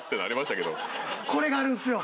これがあるんですよ。